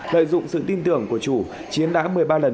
lợi dụng sự tin tưởng của chủ chiến đã một mươi ba lần